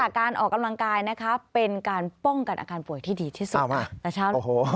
แม้ค่ะการออกกำลังกายป้องกันอาการป่วยที่ดีที่สุด